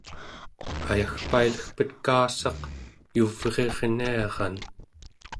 ayagpailegpet kaassaq yuvrirniaran